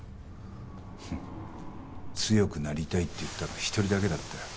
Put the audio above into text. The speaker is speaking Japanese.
「強くなりたい」って言ったの１人だけだったよ。